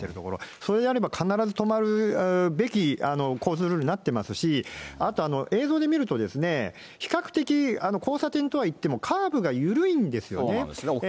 それであれば、必ず止まるべき交通ルールになってますし、あと映像で見ると、比較的、交差点とはいってもカーブが緩いんですよね。